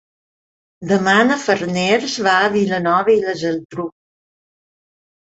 Demà na Farners va a Vilanova i la Geltrú.